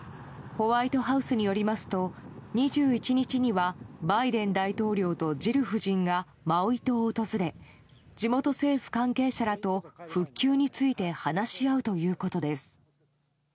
ホワイトハウスによりますと２１日にはバイデン大統領とジル夫人がマウイ島を訪れ地元政府関係者らと復旧について話し合うということです。